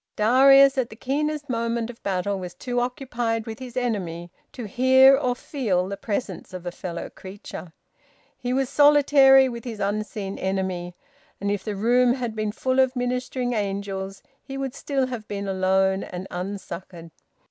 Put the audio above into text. Darius at the keenest moment of battle was too occupied with his enemy to hear or feel the presence of a fellow creature. He was solitary with his unseen enemy, and if the room had been full of ministering angels he would still have been alone and unsuccoured.